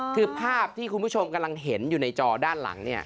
คือภาพที่คุณผู้ชมกำลังเห็นอยู่ในจอด้านหลังเนี่ย